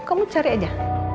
kamu cari aja